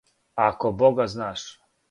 Ако бога знаш.